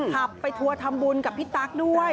ขับไปทัวร์ทำบุญกับพี่ตั๊กด้วย